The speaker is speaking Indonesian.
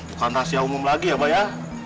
bukan rahasia umum lagi ya pak ya